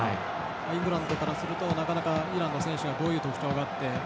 イングランドからするとなかなかイランの選手にどういう特徴があって。